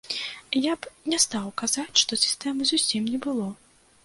Я б не стаў казаць, што сістэмы зусім не было.